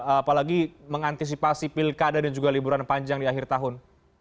apalagi mengantisipasi pilkada dan juga liburan panjang di akhir tahun